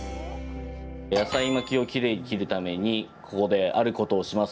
野菜巻きをきれいに切るためにここで、あることをします。